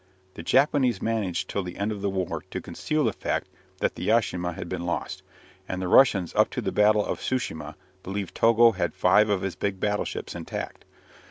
The Japanese managed till the end of the war to conceal the fact that the "Yashima" had been lost, and the Russians up to the battle of Tsu shima believed Togo had five of his big battleships intact.